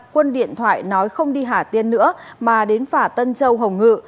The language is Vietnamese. quân điện thoại nói không đi hà tiên nữa mà đến phả tân châu hồng ngự